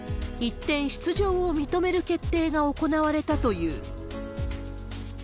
一転、出場を認める決定が行われたという。